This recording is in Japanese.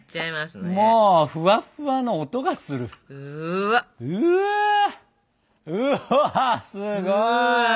うわっすごい！